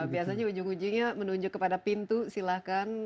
biasanya ujung ujungnya menunjuk kepada pintu silahkan